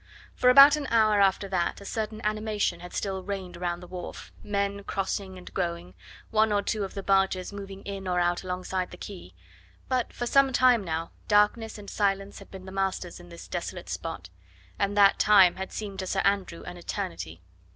For about an hour after that a certain animation had still reigned round the wharf, men crossing and going, one or two of the barges moving in or out alongside the quay. But for some time now darkness and silence had been the masters in this desolate spot, and that time had seemed to Sir Andrew an eternity.